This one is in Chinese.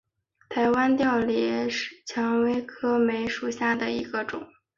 台湾稠李为蔷薇科梅属下的一个种。